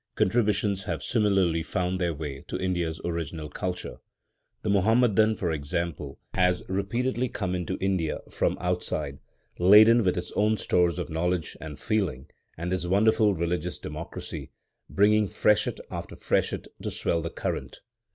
Contributions have similarly found their way to India's original culture. The Muhammadan, for example, has repeatedly come into India from outside, laden with his own stores of knowledge and feeling and his wonderful religious democracy, bringing freshet after freshet to swell the current.